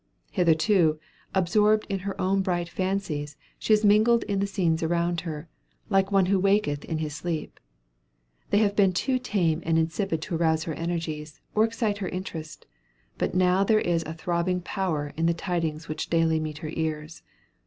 Hitherto, absorbed in her own bright fancies, she has mingled in the scenes around her, like one who walketh in his sleep. They have been too tame and insipid to arouse her energies, or excite her interest; but now there is a thrilling power in the tidings which daily meet her ears.